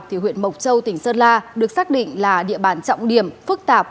thì huyện mộc châu tỉnh sơn la được xác định là địa bàn trọng điểm phức tạp